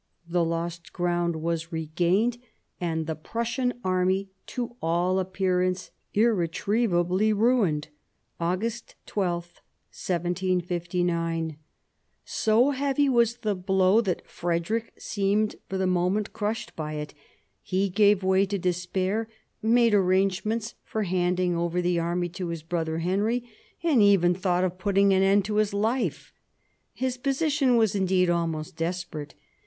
The lost ground was regained, and the Prussian army to all appearance irretrievably ruined (August 12, 1759). So heavy was the blow, that Frederick seemed for the moment crushed by it; he gave way to despair, made arrangements for handing over the army to his brother Henry, and even thought of putting an end to his life. His position was, indeed, almost desperate.